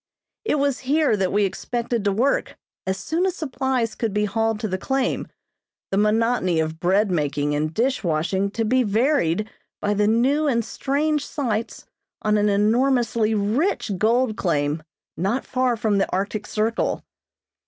It was here that we expected to work, as soon as supplies could be hauled to the claim, the monotony of bread making and dish washing to be varied by the new and strange sights on an enormously rich gold claim not far from the Arctic Circle.